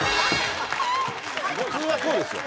普通はこうですよ。